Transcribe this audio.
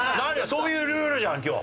そういうルールじゃん今日。